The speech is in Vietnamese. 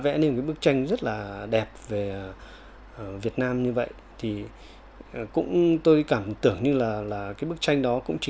yêu cái cảnh rất là mộc mạc rất là thôn quê